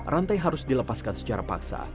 rantai harus dilepaskan secara paksa